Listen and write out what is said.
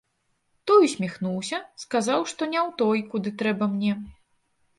Той усміхнуўся, сказаў, што не ў той, куды трэба мне.